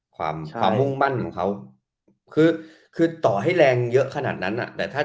ความมุ่นมั่นของเขา